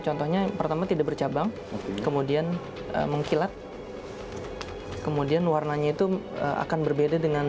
contohnya pertama tidak bercabang kemudian mengkilat kemudian warnanya itu akan berbeda dengan